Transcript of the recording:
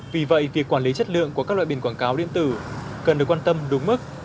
vì vậy việc quản lý chất lượng của các loại biển quảng cáo điện tử cần được quan tâm đúng mức